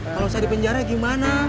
kalau saya di penjara gimana